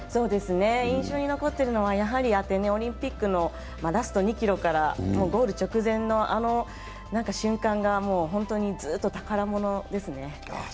印象に残っているのはやはりアテネオリンピックのラスト２ｋｍからゴール直前のあの瞬間が本当にずっと宝物ですね。